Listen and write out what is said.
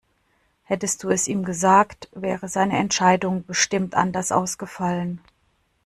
Hättest du es ihm gesagt, wäre seine Entscheidung bestimmt anders ausgefallen.